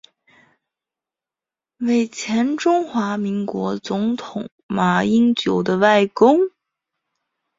为前中华民国总统马英九的外公。